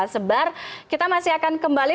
sebar kita masih akan kembali